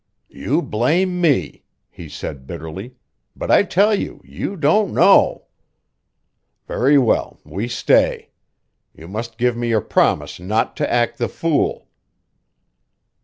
"You blame me," he said bitterly; "but I tell you you don't know. Very well we stay. You must give me your promise not to act the fool."